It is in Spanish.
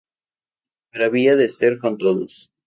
Pero había de ser con todos.